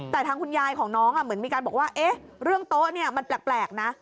แต่ทางคุณยายของน้องเหมือนมีการบอกว่าเรื่องโต๊ะเนี่ยมันแปลกนะ